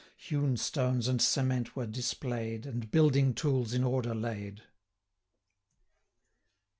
Hewn stones and cement were display'd, And building tools in order laid. XXIV.